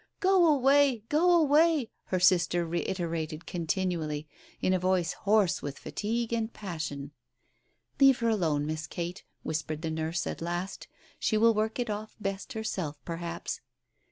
" Go away I Go away !" her sister reiterated continu ally, in a voice hoarse with fatigue and passion. "Leave her alone, Miss Kate," whispered the nurse at last; "she will work it off best herself, perhaps."